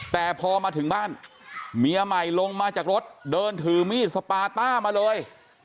แต่พอมาถึงบ้านเมียใหม่ลงมาจากรถเดินถือมีดสปาต้ามาเลย